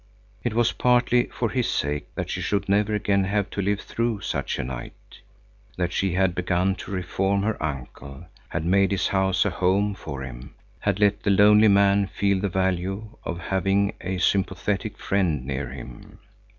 It was partly for his sake that she should never again have to live through such a night, that she had begun to reform her uncle, had made his house a home for him, had let the lonely man feel the value of having a sympathetic friend near him.